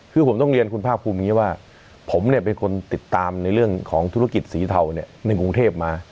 คือผมต้องเรียนคุณภาคภูมิอย่างนี้ว่าผมเนี่ยเป็นคนติดตามในเรื่องของธุรกิจสีเทาในกรุงเทพมา